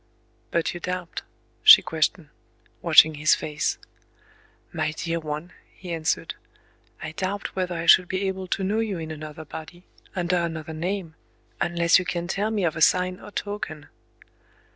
"But you doubt?" she questioned, watching his face. "My dear one," he answered, "I doubt whether I should be able to know you in another body, under another name,—unless you can tell me of a sign or token."